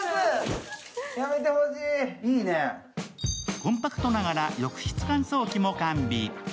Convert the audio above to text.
コンパクトながら浴室乾燥機も完備。